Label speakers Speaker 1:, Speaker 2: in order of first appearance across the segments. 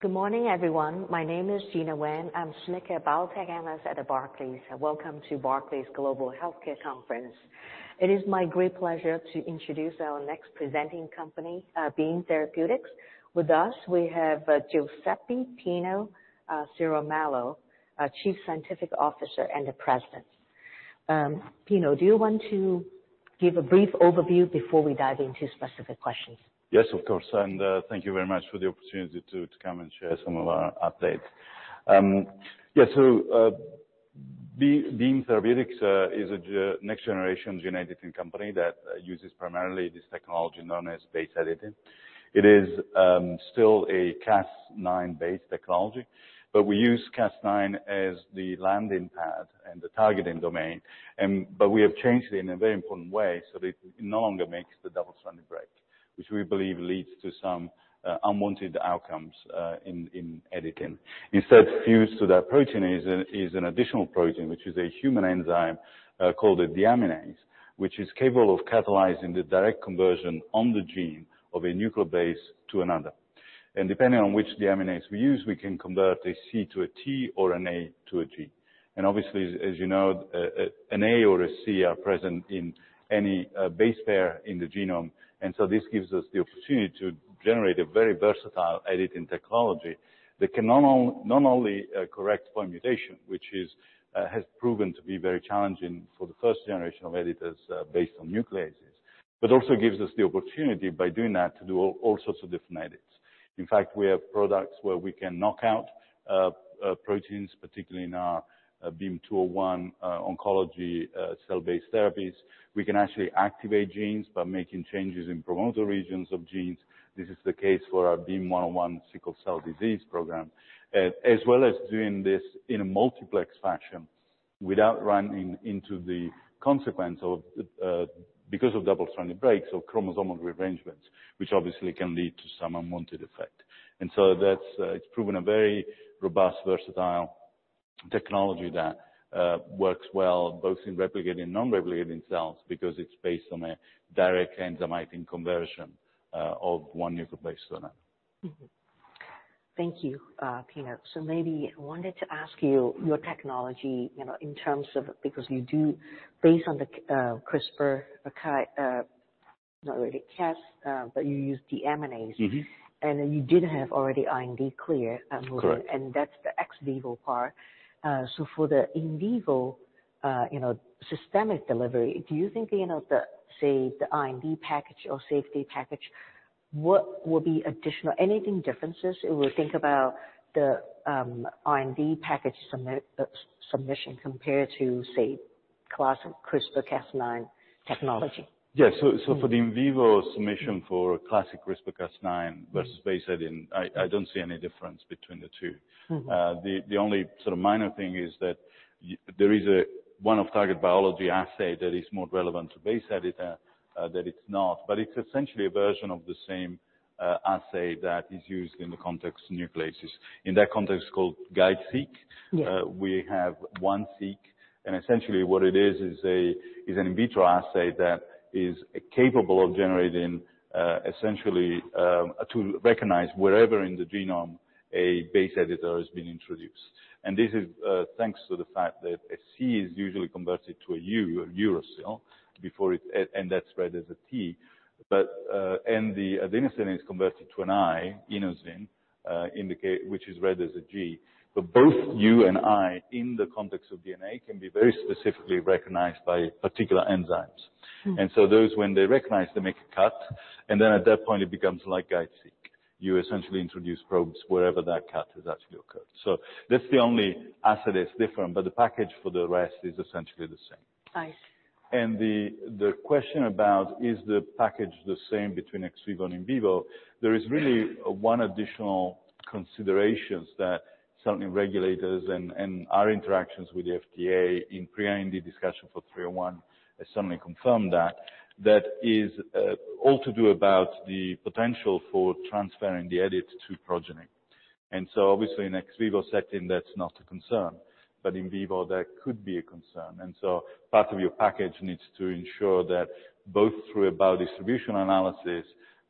Speaker 1: Good morning, everyone. My name is Gena Wang. I'm SNIC Biotech analyst at Barclays. Welcome to Barclays Global Healthcare Conference. It is my great pleasure to introduce our next presenting company, Beam Therapeutics. With us, we have Giuseppe Ciaramella, our Chief Scientific Officer and the President. Pino, do you want to give a brief overview before we dive into specific questions?
Speaker 2: Yes, of course. Thank you very much for the opportunity to come and share some of our updates. Yeah. Beam Therapeutics is a next generation gene editing company that uses primarily this technology known as base editing. It is still a Cas9-based technology, but we use Cas9 as the landing pad and the targeting domain. We have changed it in a very important way, so it no longer makes the double-strand break, which we believe leads to some unwanted outcomes in editing. Instead, fused to that protein is an additional protein, which is a human enzyme called a deaminase, which is capable of catalyzing the direct conversion on the gene of a nucleobase to another. Depending on which deaminase we use, we can convert a C to a T or an A to a G. Obviously, as you know, an A or a C are present in any base pair in the genome. This gives us the opportunity to generate a very versatile editing technology that can not only correct point mutation, which is has proven to be very challenging for the first generation of editors based on nucleases. Also gives us the opportunity by doing that to do all sorts of different edits. In fact, we have products where we can knock out proteins, particularly in our BEAM-201 oncology cell-based therapies. We can actually activate genes by making changes in promoter regions of genes. This is the case for our BEAM-101 sickle cell disease program. As well as doing this in a multiplex fashion without running into the consequence of because of double-strand breaks or chromosomal rearrangements, which obviously can lead to some unwanted effect. That's it's proven a very robust, versatile technology that works well both in replicating and non-replicating cells because it's based on a direct enzymatic conversion of one nucleobase to another.
Speaker 1: Thank you, Pino. Maybe I wanted to ask you your technology, you know, in terms of... because you do based on the CRISPR, not really Cas, but you use the deaminase.
Speaker 2: Mm-hmm.
Speaker 1: You did have already IND clear,
Speaker 2: Correct.
Speaker 1: That's the ex vivo part. For the in vivo, you know, systemic delivery, do you think you know the, say, the IND package or safety package, what will be additional anything differences if we think about the IND package submission compared to, say, classic CRISPR-Cas9 technology?
Speaker 2: Yeah. For the in vivo submission for classic CRISPR-Cas9 versus base editing, I don't see any difference between the two. The only sort of minor thing is that there is a one off-target biology assay that is more relevant to base editor that it's not. It's essentially a version of the same assay that is used in the context of nucleases. In that context, it's called GUIDE-seq.
Speaker 1: Yeah.
Speaker 2: We have one seq, and essentially what it is an in vitro assay that is capable of generating, essentially, to recognize wherever in the genome a base editor has been introduced. This is thanks to the fact that a C is usually converted to a U, a uracil, that's read as a T. The adenosine is converted to an I, inosine, which is read as a G. Both U and I in the context of DNA can be very specifically recognized by particular enzymes. Those, when they recognize they make a cut, and then at that point it becomes like GUIDE-seq. You essentially introduce probes wherever that cut has actually occurred. That's the only assay that's different, but the package for the rest is essentially the same.
Speaker 1: I see.
Speaker 2: The question about is the package the same between ex vivo and in vivo? There is really one additional considerations that certainly regulators and our interactions with the FDA in pre IND discussion for BEAM-301 has certainly confirmed that. That is all to do about the potential for transferring the edit to progeny. Obviously in ex vivo setting, that's not a concern, but in vivo that could be a concern. Part of your package needs to ensure that both through a biodistribution analysis,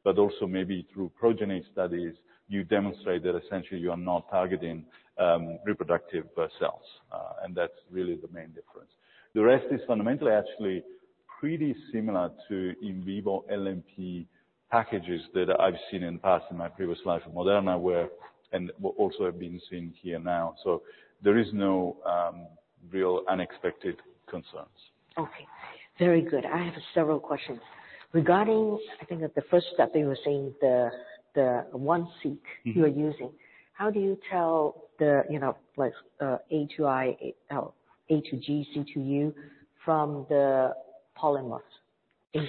Speaker 2: but also maybe through progeny studies, you demonstrate that essentially you are not targeting reproductive cells. That's really the main difference. The rest is fundamentally actually pretty similar to in vivo LNP packages that I've seen in the past in my previous life at Moderna, and also have been seeing here now. There is no real unexpected concerns.
Speaker 1: Okay, very good. I have several questions. Regarding, I think at the first step you were saying the one seq- you are using. How do you tell the, you know, like, A to I, A to G, C to U from the polymorphs?
Speaker 2: These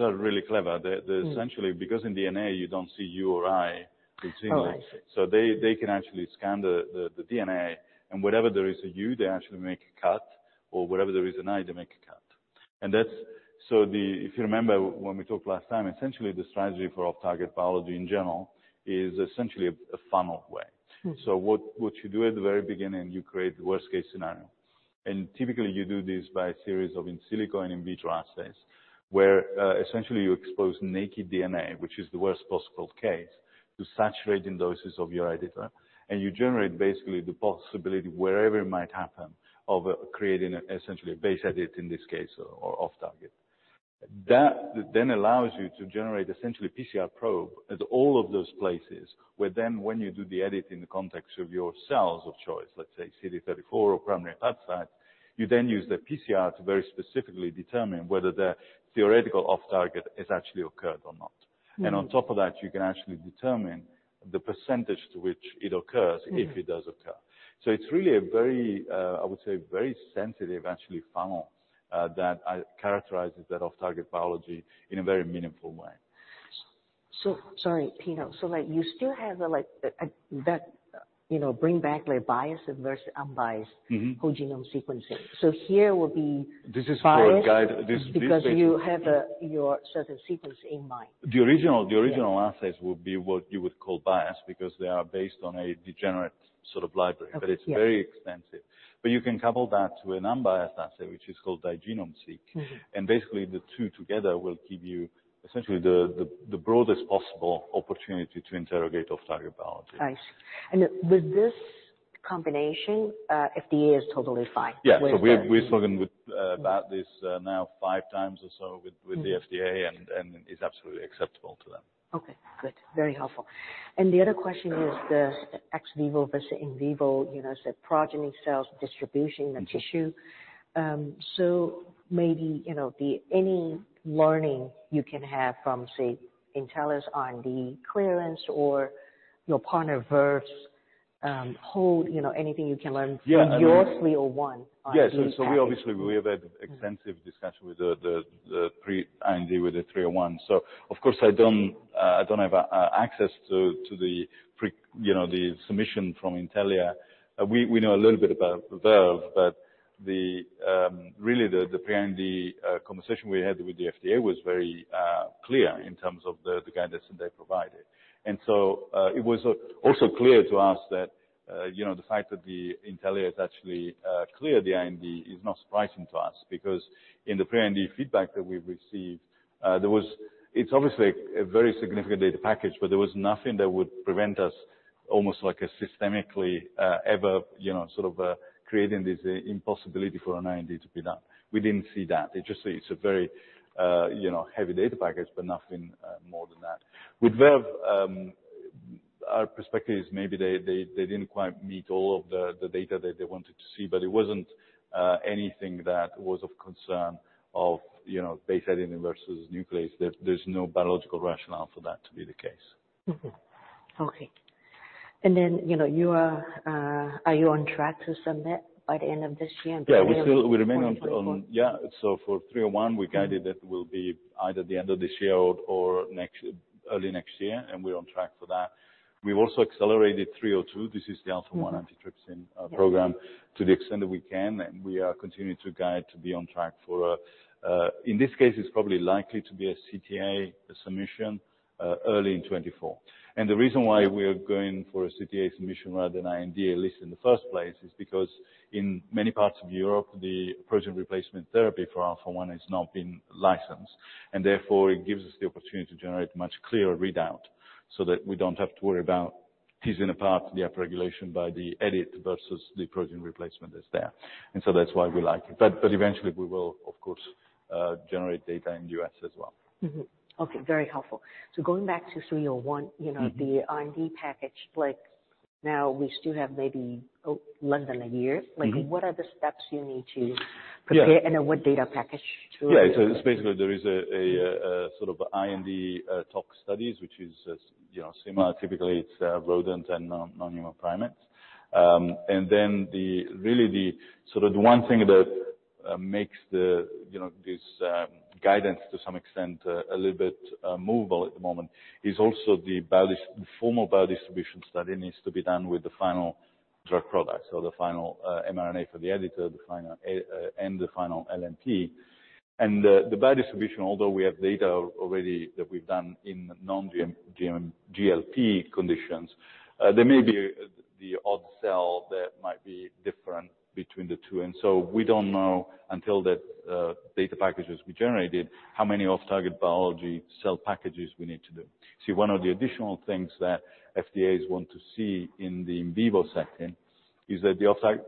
Speaker 2: are really clever. They're essentially because in DNA you don't see U or I continuously.
Speaker 1: Oh, I see.
Speaker 2: They can actually scan the DNA and wherever there is a U they actually make a cut or wherever there is an I, they make a cut. If you remember when we talked last time, essentially the strategy for off target biology in general is essentially a funnel way. What you do at the very beginning, you create the worst case scenario. Typically you do this by a series of in silico and in vitro assays, where essentially you expose naked DNA, which is the worst possible case, to saturating doses of your editor. You generate basically the possibility wherever it might happen, of creating essentially a base edit in this case or off target. That allows you to generate essentially PCR probe at all of those places, where when you do the edit in the context of your cells of choice, let's say CD34 or primary hepatocyte, you then use the PCR to very specifically determine whether the theoretical off target has actually occurred or not. On top of that, you can actually determine the % to which it occurs. if it does occur. It's really a very, I would say very sensitive actually funnel, that characterizes that off target biology in a very meaningful way.
Speaker 1: sorry, Pino. like you still have like, that, you know, bring back like biased versus unbiased...
Speaker 2: Mm-hmm.
Speaker 1: Whole-genome sequencing.
Speaker 2: This is for a guide. This.
Speaker 1: biased because you have, your certain sequence in mind.
Speaker 2: The original assays will be what you would call biased because they are based on a degenerate sort of library.
Speaker 1: Okay. Yes.
Speaker 2: It's very extensive. You can couple that to an unbiased assay, which is called the Whole-genome sequencing. Basically the two together will give you essentially the broadest possible opportunity to interrogate off-target biology.
Speaker 1: I see. With this combination, FDA is totally fine with.
Speaker 2: Yeah. We've spoken about this now five times or so with the FDA, and it's absolutely acceptable to them.
Speaker 1: Okay, good. Very helpful. The other question is the ex vivo versus in vivo, you know, say progeny cells distribution in tissue. Maybe, you know, the any learning you can have from, say, Intellia's IND clearance or your partner Verve, hold, you know, anything you can learn from your 301 on these aspects.
Speaker 2: Yes. We obviously have had extensive discussion with the pre IND with the 301. Of course I don't have access to the, you know, the submission from Intellia. We know a little bit about Verve, but the really the pre IND conversation we had with the FDA was very clear in terms of the guidance that they provided. It was also clear to us that, you know, the fact that Intellia is actually clear the IND is not surprising to us. In the pre-IND feedback that we've received, It's obviously a very significant data package, but there was nothing that would prevent us almost like a systemically, ever, you know, sort of, creating this impossibility for an IND to be done. We didn't see that. It just it's a very, you know, heavy data package, but nothing more than that. With Verve, our perspective is maybe they didn't quite meet all of the data that they wanted to see, but it wasn't anything that was of concern of, you know, base editing versus nuclease. There's no biological rationale for that to be the case.
Speaker 1: Okay. Then, you know, you are you on track to submit by the end of this year in quarter-?
Speaker 2: Yeah, we still-
Speaker 1: 2024?
Speaker 2: We remain on, yeah. For 301, we guided that will be either the end of this year or early next year, and we're on track for that. We've also accelerated 302. This is the alpha-1 antitrypsin program, to the extent that we can, we are continuing to guide to be on track for, in this case, it's probably likely to be a CTA submission early in 2024. The reason why we are going for a CTA submission rather than IND at least in the first place, is because in many parts of Europe, the protein replacement therapy for alpha-1 has not been licensed. Therefore it gives us the opportunity to generate much clearer readout so that we don't have to worry about teasing apart the upregulation by the edit versus the protein replacement that's there. That's why we like it. Eventually we will of course, generate data in U.S. as well.
Speaker 1: Okay. Very helpful. Going back to BEAM-301, you know. -the IND package, like now we still have maybe, less than a year.
Speaker 2: Mm-hmm.
Speaker 1: Like, what are the steps you need to-.
Speaker 2: Yeah.
Speaker 1: -prepare and what data package to submit?
Speaker 2: Yeah. It's basically there is a sort of IND tox studies, which is, you know, similar. Typically, it's rodent and non-human primates. The really the sort of the one thing that makes the, you know, this guidance to some extent a little bit movable at the moment is also the formal biodistribution study needs to be done with the final drug product. The final mRNA for the editor, the final and the final LNP. The biodistribution, although we have data already that we've done in non-GLP conditions, there may be the odd cell that might be different between the two. We don't know until that data package has been generated, how many off target biology cell packages we need to do. One of the additional things that FDA's want to see in the in vivo setting is that the off-target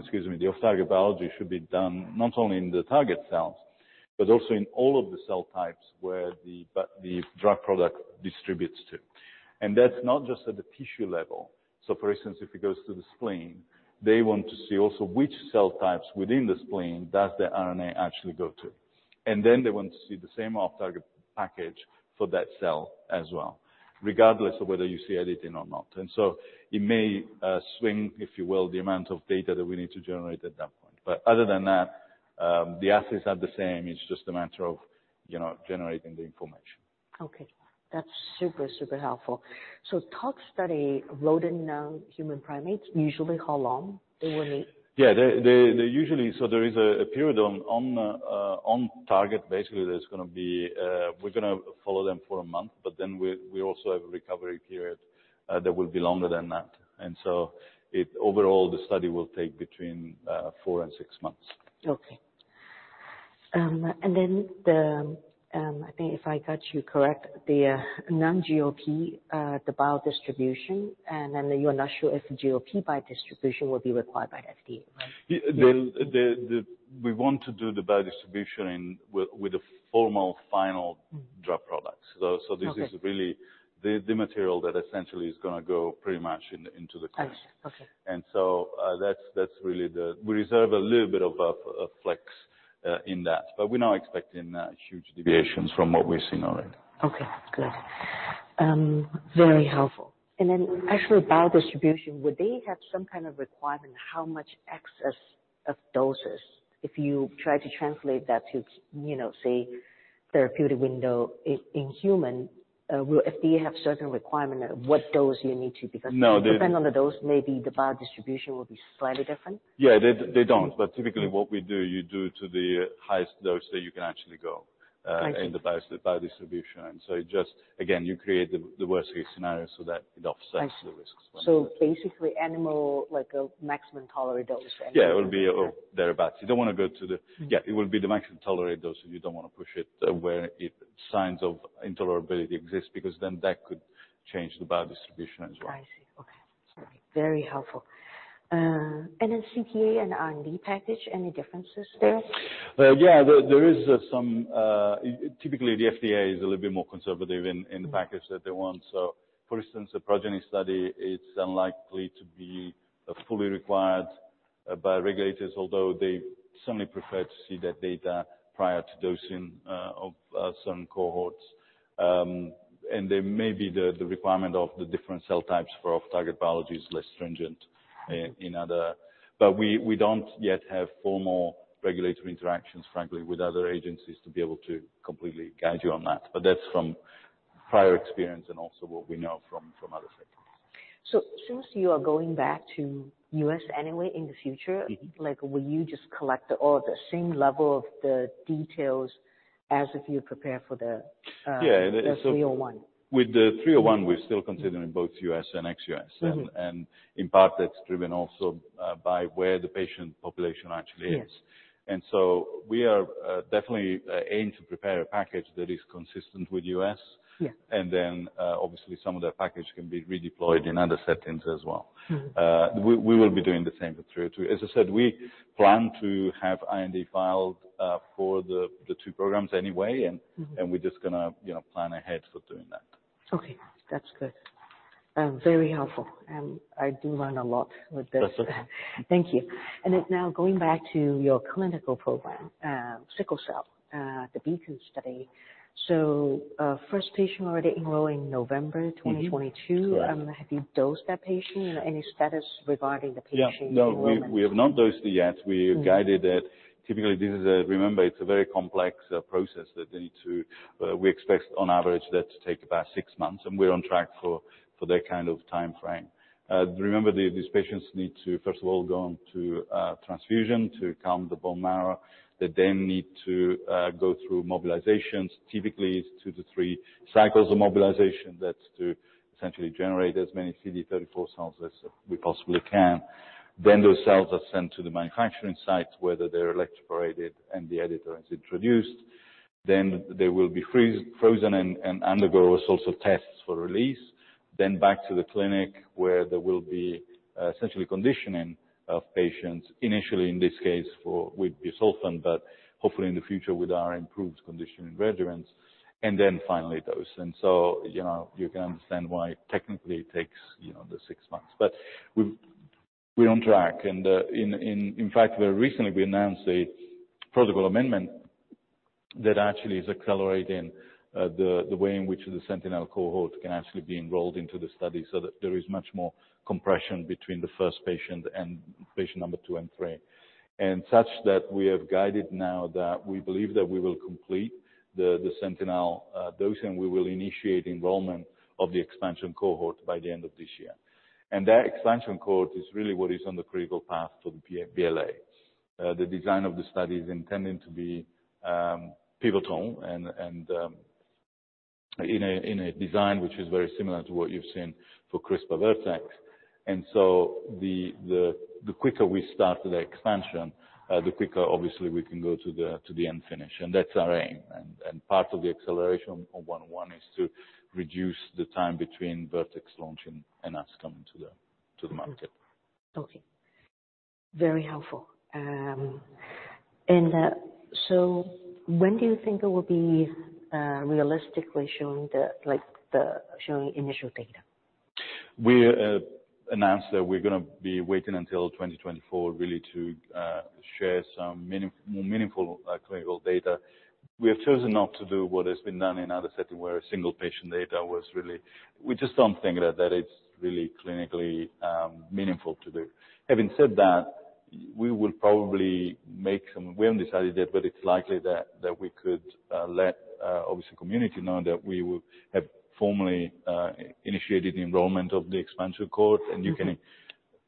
Speaker 2: excuse me, the off-target biology should be done not only in the target cells, but also in all of the cell types where the, but the drug product distributes to. That's not just at the tissue level. For instance, if it goes to the spleen, they want to see also which cell types within the spleen does the RNA actually go to. Then they want to see the same off-target package for that cell as well, regardless of whether you see editing or not. It may swing, if you will, the amount of data that we need to generate at that point. Other than that, the assets are the same. It's just a matter of, you know, generating the information.
Speaker 1: Okay. That's super helpful. Tox study, rodent, non-human primates, usually how long they will need?
Speaker 2: Yeah. They usually. There is a period on target. Basically, there's gonna be, we're gonna follow them for a month. We also have a recovery period that will be longer than that. Overall, the study will take between 4 and 6 months.
Speaker 1: Okay. The, I think if I got you correct, the NHP, the biodistribution, and then you're not sure if the GLP biodistribution will be required by FDA, right?
Speaker 2: We want to do the biodistribution with the formal.
Speaker 1: Mm.
Speaker 2: -drug products. This is-
Speaker 1: Okay.
Speaker 2: really the material that essentially is gonna go pretty much into the clinic.
Speaker 1: I see. Okay.
Speaker 2: That's really. We reserve a little bit of flex in that, but we're not expecting huge deviations from what we're seeing already.
Speaker 1: Okay. Good. Very helpful. Actually biodistribution, would they have some kind of requirement how much excess of doses, if you try to translate that to, you know, say, therapeutic window in human, will FDA have certain requirement of what dose you need to?
Speaker 2: No.
Speaker 1: Depending on the dose, maybe the biodistribution will be slightly different.
Speaker 2: Yeah, they don't. Typically what we do, you do to the highest dose that you can actually go.
Speaker 1: I see.
Speaker 2: in the biodistribution. You just, again, you create the worst case scenario so that it.
Speaker 1: I see.
Speaker 2: -the risks when.
Speaker 1: Basically animal like a maximum tolerated dose.
Speaker 2: Yeah. It will be, thereabout. You don't wanna go to.
Speaker 1: Yeah.
Speaker 2: Yeah, it will be the maximum tolerated dose. You don't wanna push it where it signs of intolerability exist because then that could change the biodistribution as well.
Speaker 1: I see. Okay.
Speaker 2: Yeah.
Speaker 1: Very helpful. Then CTA and IND package, any differences there?
Speaker 2: Yeah, there is some. Typically the FDA is a little bit more conservative in the package that they want. For instance, a progeny study, it's unlikely to be fully required by regulators, although they certainly prefer to see that data prior to dosing of some cohorts. They may be the requirement of the different cell types for off-target biology is less stringent in other. We don't yet have formal regulatory interactions, frankly, with other agencies to be able to completely guide you on that. That's from prior experience and also what we know from other sectors.
Speaker 1: Since you are going back to U.S. anyway in the future.
Speaker 2: Mm-hmm.
Speaker 1: Like, will you just collect all the same level of the details as if you prepare for the.
Speaker 2: Yeah.
Speaker 1: the 301?
Speaker 2: With the BEAM-301, we're still considering both U.S. and ex-U.S.
Speaker 1: Mm-hmm.
Speaker 2: In part that's driven also, by where the patient population actually is.
Speaker 1: Yes.
Speaker 2: We are, definitely, aim to prepare a package that is consistent with U.S.
Speaker 1: Yeah.
Speaker 2: Obviously some of that package can be redeployed in other settings as well. We will be doing the same for BEAM-302. As I said, we plan to have IND filed for the two programs anyway. We're just gonna, you know, plan ahead for doing that.
Speaker 1: Okay. That's good. very helpful. I do learn a lot with this.
Speaker 2: That's okay.
Speaker 1: Thank you. Going back to your clinical program, sickle cell, the BEACON study. First patient already enrolled in November. 2022.
Speaker 2: Right.
Speaker 1: Have you dosed that patient? Any status regarding the patient enrollment?
Speaker 2: Yeah. No, we have not dosed it yet. We have guided it. Typically, remember it's a very complex process that they need to. We expect on average that to take about 6 months, and we're on track for that kind of timeframe. Remember, these patients need to first of all go on to transfusion to count the bone marrow. They then need to go through mobilizations. Typically, it's 2 to 3 cycles of mobilization. That's to essentially generate as many CD34 cells as we possibly can. Those cells are sent to the manufacturing sites, where they're electroporated and the editor is introduced. They will be freeze-frozen and undergo a source of tests for release. Back to the clinic where there will be essentially conditioning of patients initially in this case for with busulfan, but hopefully in the future with our improved conditioning regimens. Finally dose. So, you know, you can understand why technically it takes, you know, the 6 months. But we're on track. In fact, very recently we announced a protocol amendment that actually is accelerating the way in which the Sentinel cohort can actually be enrolled into the study so that there is much more compression between the first patient and patient number 2 and 3. Such that we have guided now that we believe that we will complete the Sentinel dosing, we will initiate enrollment of the expansion cohort by the end of this year. That expansion cohort is really what is on the critical path to the BLA. The design of the study is intending to be pivotal and, in a, in a design which is very similar to what you've seen for CRISPR/Vertex. The quicker we start the expansion, the quicker obviously we can go to the end finish. That's our aim. Part of the acceleration of one oh one is to reduce the time between Vertex launching and us coming to the market.
Speaker 1: Okay. Very helpful. When do you think it will be realistically showing initial data?
Speaker 2: We announced that we're gonna be waiting until 2024 really to share some more meaningful clinical data. We have chosen not to do what has been done in other setting where a single patient data was really... We just don't think that it's really clinically meaningful to do. Having said that, we will probably make some... We haven't decided yet, but it's likely that we could let obviously community know that we will have formally initiated the enrollment of the expansion cohort.
Speaker 1: Mm-hmm.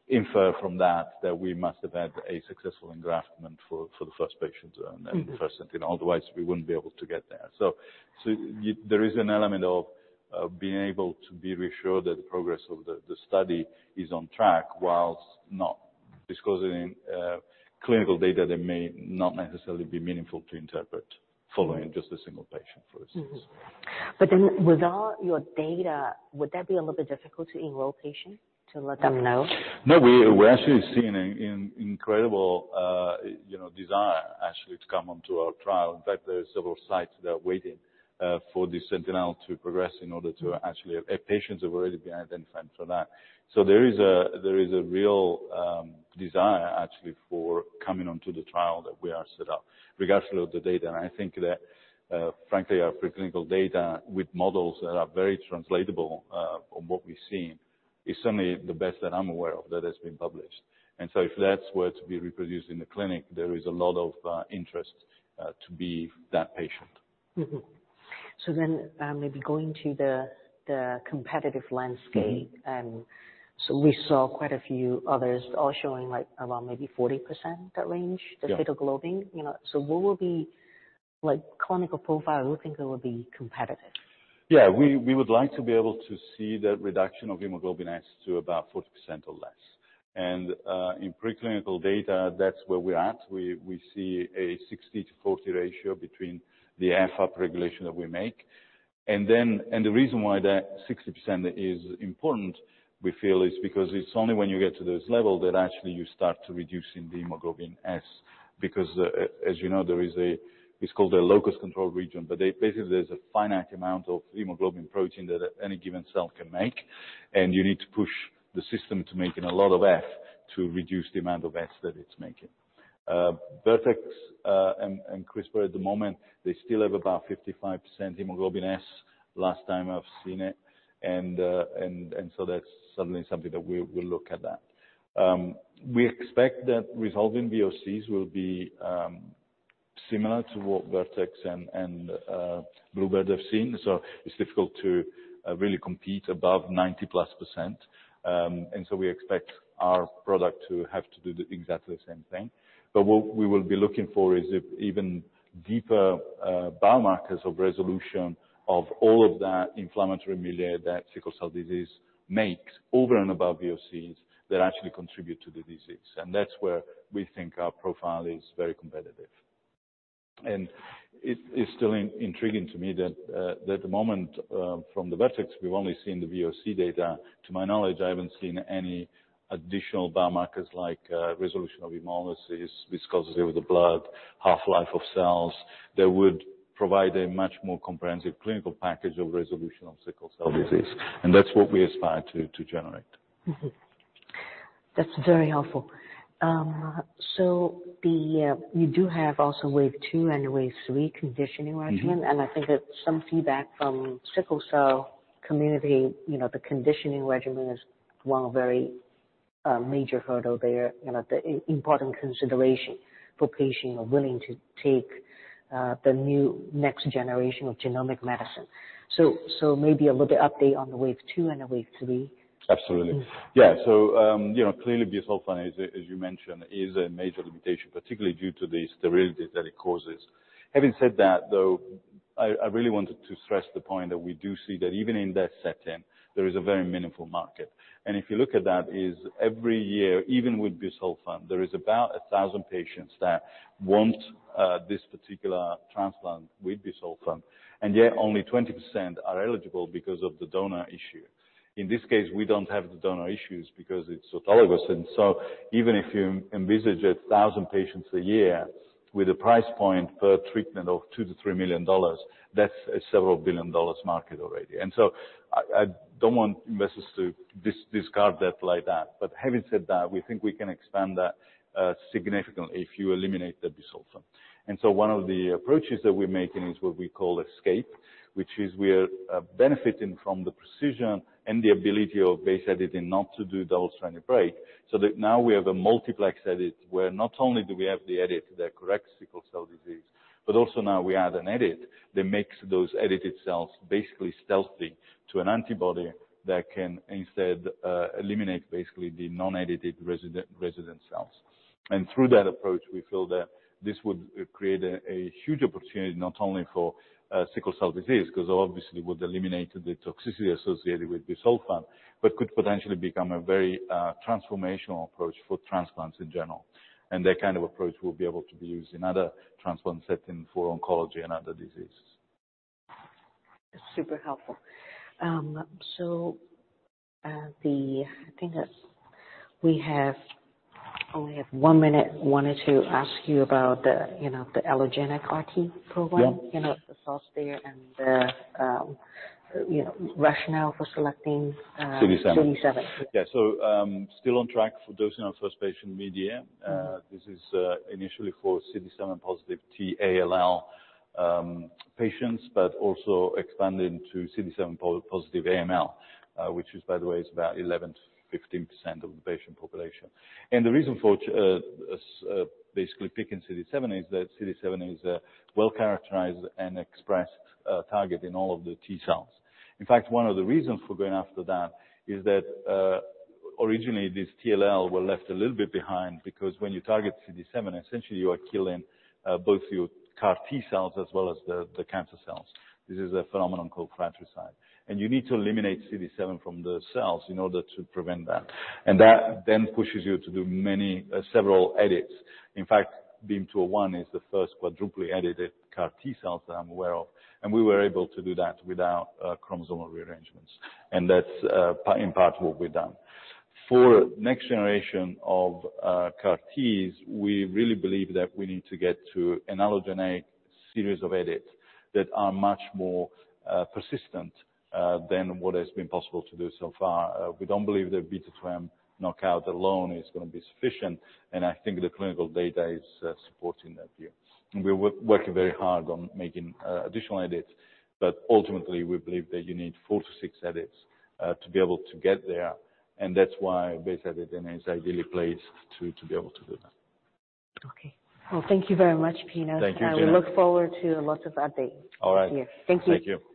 Speaker 2: Infer from that we must have had a successful engraftment for the first patients. The first sentinel. Otherwise, we wouldn't be able to get there. There is an element of being able to be reassured that the progress of the study is on track whilst not disclosing clinical data that may not necessarily be meaningful to interpret following just a single patient, for instance.
Speaker 1: Without your data, would that be a little bit difficult to enroll patients to let them know?
Speaker 2: No, we're actually seeing an incredible, you know, desire actually to come onto our trial. In fact, there are several sites that are waiting for the sentinel to progress in order to patients have already been identified for that. There is a real desire actually for coming onto the trial that we are set up regardless of the data. I think that, frankly, our preclinical data with models that are very translatable, on what we've seen is certainly the best that I'm aware of that has been published. If that's were to be reproduced in the clinic, there is a lot of interest to be that patient.
Speaker 1: Maybe going to the competitive landscape. We saw quite a few others all showing like around maybe 40% that range.
Speaker 2: Yeah.
Speaker 1: the fetal globin, you know. What will be like clinical profile do you think that will be competitive?
Speaker 2: Yeah. We would like to be able to see that reduction of hemoglobin S to about 40% or less. In preclinical data, that's where we're at. We see a 60/40 ratio between the F up-regulation that we make. The reason why that 60% is important, we feel, is because it's only when you get to this level that actually you start reducing the hemoglobin S, because as you know, there is a, it's called a locus control region. Basically, there's a finite amount of hemoglobin protein that any given cell can make, and you need to push the system to making a lot of F to reduce the amount of S that it's making. Vertex and CRISPR at the moment, they still have about 55% hemoglobin S last time I've seen it. That's certainly something that we'll look at that. We expect that resolving VOCs will be similar to what Vertex and Bluebird have seen. It's difficult to really compete above 90+%. We expect our product to have to do the exactly the same thing. What we will be looking for is if even deeper biomarkers of resolution of all of that inflammatory milieu that sickle cell disease makes over and above VOCs that actually contribute to the disease. That's where we think our profile is very competitive. It is still intriguing to me that the moment from the Vertex, we've only seen the VOC data. To my knowledge, I haven't seen any additional biomarkers like resolution of hemolysis, viscosity of the blood, half-life of cells that would provide a much more comprehensive clinical package of resolution of sickle cell disease. That's what we aspire to generate.
Speaker 1: That's very helpful. The you do have also wave two and wave three conditioning regimen. I think that some feedback from sickle cell community, you know, the conditioning regimen is one very major hurdle there. You know, the important consideration for patients are willing to take the new next generation of genomic medicine. Maybe a little update on the wave two and the wave three.
Speaker 2: Absolutely. Yeah. You know, clearly busulfan, as you mentioned, is a major limitation, particularly due to the sterility that it causes. Having said that, though, I really wanted to stress the point that we do see that even in that setting, there is a very meaningful market. If you look at that, is every year, even with busulfan, there is about 1,000 patients that want this particular transplant with busulfan, and yet only 20% are eligible because of the donor issue. In this case, we don't have the donor issues because it's autologous. Even if you envisage 1,000 patients a year with a price point per treatment of $2 million-$3 million, that's a several billion dollars market already. I don't want investors to dis-discard that like that. Having said that, we think we can expand that significantly if you eliminate the busulfan. One of the approaches that we're making is what we call ESCAPE, which is we're benefiting from the precision and the ability of base editing not to do double-strand break, so that now we have a multiplex edit where not only do we have the edit that corrects sickle cell disease, but also now we add an edit that makes those edited cells basically stealthy to an antibody that can instead eliminate basically the non-edited resident cells. Through that approach, we feel that this would create a huge opportunity not only for sickle cell disease, 'cause obviously it would eliminate the toxicity associated with busulfan, but could potentially become a very transformational approach for transplants in general. That kind of approach will be able to be used in other transplant settings for oncology and other diseases.
Speaker 1: That's super helpful. I think that we only have 1 minute. Wanted to ask you about the, you know, the allogeneic CAR T program.
Speaker 2: Yeah.
Speaker 1: You know, the source there and the, you know, rationale for selecting.
Speaker 2: CD19.
Speaker 1: -CD19.
Speaker 2: Yeah. still on track for dosing our first patient midyear. This is initially for CD19 positive TALL patients, but also expanding to CD19 positive AML, which is, by the way, about 11%-15% of the patient population. The reason for basically picking CD19 is that CD19 is a well-characterized and expressed target in all of the T cells. In fact, one of the reasons for going after that is that originally these TALL were left a little bit behind because when you target CD19, essentially you are killing both your CAR T cells as well as the cancer cells. This is a phenomenon called Fratricide. You need to eliminate CD19 from the cells in order to prevent that. That then pushes you to do many, several edits. In fact, BEAM-201 is the first quadruple-edited CAR T cells that I'm aware of, and we were able to do that without chromosomal rearrangements. That's in part what we've done. For next generation of CAR Ts, we really believe that we need to get to an allogeneic series of edits that are much more persistent than what has been possible to do so far. We don't believe that B2M knockout alone is gonna be sufficient, and I think the clinical data is supporting that view. We're working very hard on making additional edits. Ultimately, we believe that you need 4 to 6 edits to be able to get there. That's why base editing is ideally placed to be able to do that.
Speaker 1: Okay. Well, thank you very much, Pino.
Speaker 2: Thank you, Gena.
Speaker 1: We look forward to lots of updates.
Speaker 2: All right.
Speaker 1: Thank you.
Speaker 2: Thank you.